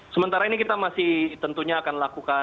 sementara ini kita masih tentunya akan lakukan